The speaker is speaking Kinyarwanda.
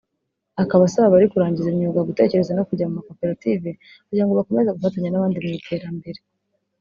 Akaba asaba abari kurangiza imyuga gutekereza no kujya mu makoperative kugira ngo bakomeze gufatanya n’abandi mu iterambere